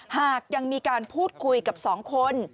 หากยังมีการพูดคุยกับ๒คน